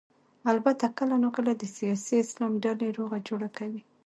البته کله نا کله د سیاسي اسلام ډلې روغه جوړه کوي.